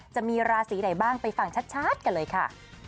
จะมีราศีไหนบ้างไปฟังชัดกันเลยค่ะ